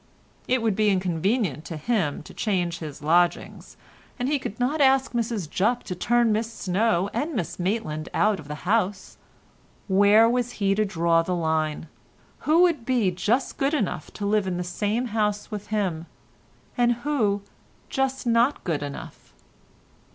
It would be inconvenient to him to change his lodgings, and he could not ask Mrs Jupp to turn Miss Snow and Miss Maitland out of the house. Where was he to draw the line? Who would be just good enough to live in the same house with him, and who just not good enough?